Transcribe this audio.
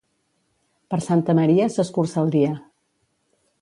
Per Santa Maria s'escurça el dia.